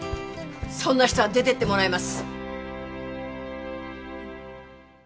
そんな人は出てってもらいます